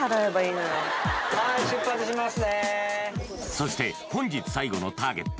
そして本日最後のターゲット